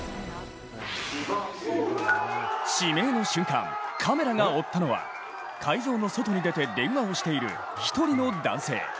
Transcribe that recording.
指名の瞬間、カメラが追ったのは会場の外に出て電話をしている、１人の男性。